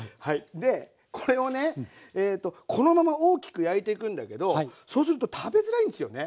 でこれをねこのまま大きく焼いていくんだけどそうすると食べづらいんですよね。